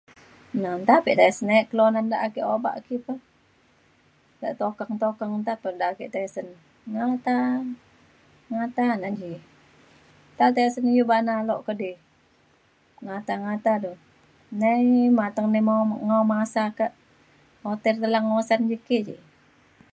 na nta pa edei sen e kelunan da ake obak ki pah. da tukeng tukeng nta pe da ake tisen ngata ngata na ji. nta tisen iu bana lok ke di ngata ngata du. nei matang na mo- ngo masa kak hotel Telang Usan ji ki ji